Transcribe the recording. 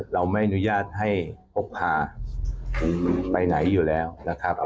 เราไม่อนุญาตให้พกพาไปไหนอยู่แล้วนะครับ